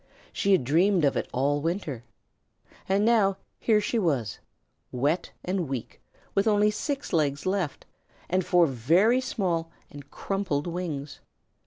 She had dreamed of it all winter. And now here she was wet and weak, with only six legs left, and four very small and crumpled wings.